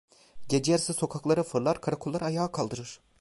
Geceyarısı sokaklara fırlar, karakolları ayağa kaldırır.